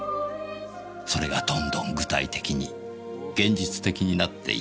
それがどんどん具体的に現実的になっていった。